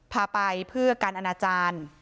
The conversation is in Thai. พาไปเพื่อการอนาจารย์